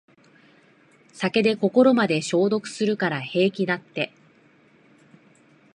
酒で心まで消毒するから平気だって